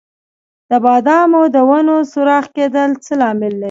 د بادامو د ونو سوراخ کیدل څه لامل لري؟